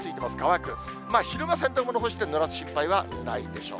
昼間洗濯物干してもぬらす心配はないでしょう。